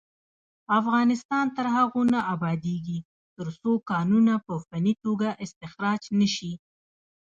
افغانستان تر هغو نه ابادیږي، ترڅو کانونه په فني توګه استخراج نشي.